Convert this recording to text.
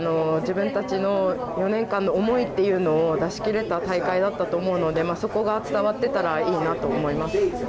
自分たちの４年間の思いを出し切れた大会だったと思うのでそこが伝わっていたらいいと思います。